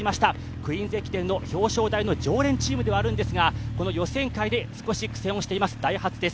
「クイーンズ駅伝」の表彰台の常連チームではあるんですが予選会で少し苦戦をしていますダイハツです。